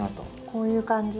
こういう感じ？